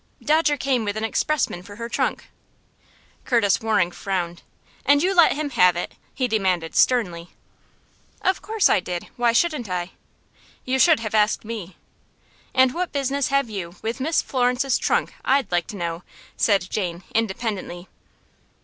"Dodger came with an expressman for her trunk." Curtis Waring frowned. "And you let him have it?" he demanded, sternly. "Of course I did. Why shouldn't I?" "You should have asked me." "And what business have you with Miss Florence's trunk, I'd like to know?" said Jane, independently.